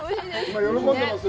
今、喜んでますよ。